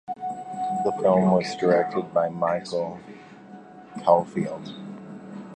The film was directed by Michael Caulfield.